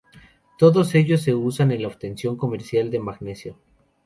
Todos ellos se usan en la obtención comercial de Magnesio.